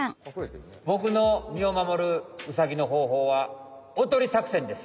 ボクの身を守るウサギのほうほうはおとり作戦です。